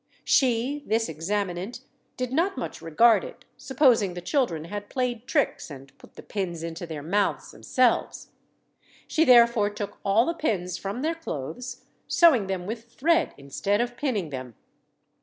She, this examinant, did not much regard it, supposing the children had played tricks, and put the pins into their mouths themselves. She therefore took all the pins from their clothes, sewing them with thread instead of pinning them.